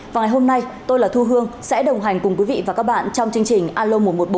vài hôm nay tôi là thu hương sẽ đồng hành cùng quý vị và các bạn trong chương trình alo một trăm một mươi bốn